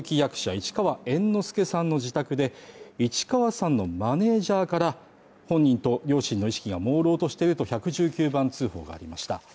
市川猿之助さんの自宅で市川さんのマネージャーから本人と両親の意識がもうろうとして１１９番通報がありました。